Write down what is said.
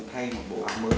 thay một bộ áo mới